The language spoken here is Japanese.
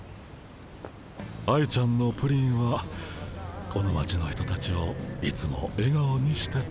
愛ちゃんのプリンはこの町の人たちをいつもえがおにしてた。